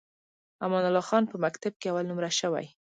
امان الله خان په مکتب کې اول نمره شوی.